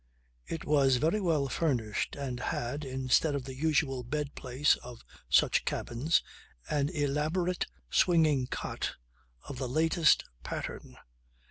It was very well furnished and had, instead of the usual bedplace of such cabins, an elaborate swinging cot of the latest pattern.